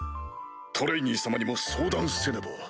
トレイニー様にも相談せねば。